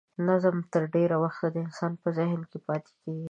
نظم تر ډېر وخت د انسان په ذهن کې پاتې کیږي.